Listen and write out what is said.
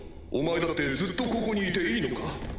お前だってずっとここにいていいのか？